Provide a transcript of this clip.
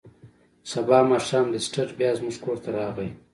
سبا ماښام لیسټرډ بیا زموږ کور ته راغی.